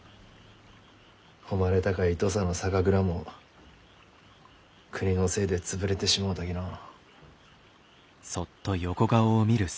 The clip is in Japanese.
誉れ高い土佐の酒蔵も国のせいで潰れてしもうたきのう。